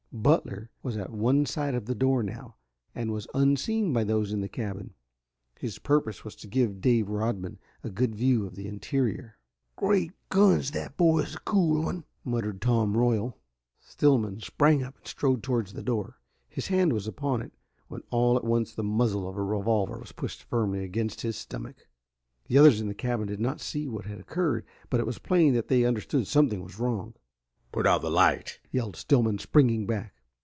Butler was at one side of the door now, and was unseen by those in the cabin. His purpose was to give Dave Rodman a good view of the interior. "Great guns but that boy is a cool one!" muttered Tom Royal. Stillman sprang up and strode towards the door. His hand was upon it when all at once the muzzle of a revolver was pushed firmly against his stomach. The others in the cabin did not see what had occurred, but it was plain that they understood something was wrong. "Put out the light!" yelled Stillman, springing back.